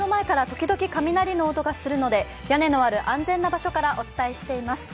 時々雷の音がするので屋根のある安全な場所からお伝えしています。